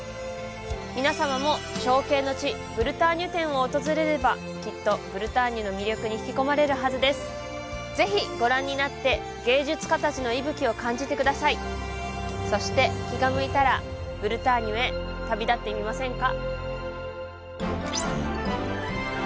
皆様も「憧憬の地ブルターニュ」展を訪れればきっとブルターニュの魅力に引き込まれるはずですぜひご覧になって芸術家たちの息吹を感じてくださいそして気が向いたらブルターニュへ旅立ってみませんか？